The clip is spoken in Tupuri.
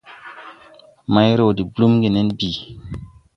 Mayre wɔ de blúmgì nen bìi.